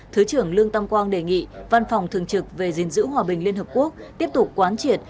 thứ trưởng lương tam quang đề nghị văn phòng thường trực về gìn giữ hòa bình liên hợp quốc tiếp tục quán triệt